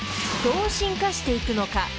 ［どう進化していくのか？